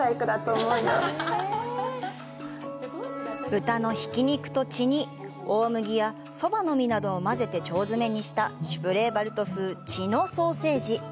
豚のひき肉と血に大麦やソバの実などを混ぜて腸詰めにしたシュプレーヴァルト風血のソーセージ。